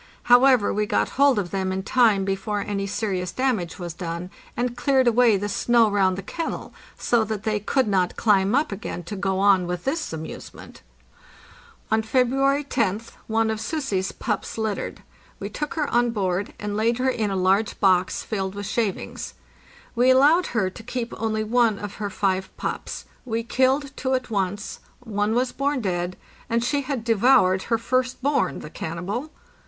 However, we got hold of them in time before any serious damage was done, and cleared away the snow round the kennel, so that they could not climb up again to go on with this amusement. On February 1oth one of '" Sussi's"' puppies littered. We took her on board, and laid her in a large box filled with shav ings. We allowed her to keep only one of her five pups; we killed two at once, one was born dead, and she had devoured her first born, the cannibal